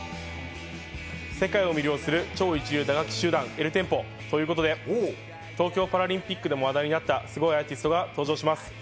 世界を魅了する超一流打楽器集団、ｅｌｔｅｍｐｏということで、東京パラリンピックでも話題になったすごいアーティストが登場します。